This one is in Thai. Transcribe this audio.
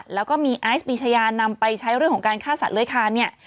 แล้วก็มีไอซ์ปีชายานำไปใช้เรื่องของการฆ่าสัตว์เลื้อยคานเนี่ย